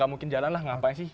gak mungkin jalan lah ngapain sih